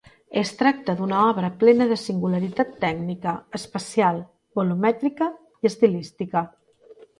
Es tracta d'una obra plena de singularitat tècnica, espacial, volumètrica i estilística.